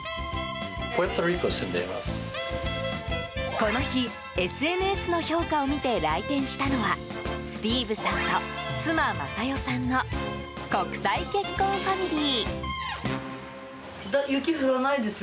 この日、ＳＮＳの評価を見て来店したのはスティーブさんと妻・昌代さんの国際結婚ファミリー。